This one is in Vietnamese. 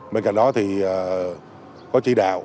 bên cạnh đó thì có chỉ đạo